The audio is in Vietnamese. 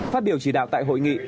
phát biểu chỉ đạo tại hội nghị